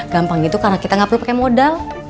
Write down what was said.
gampang itu karena kita gak perlu pakai modal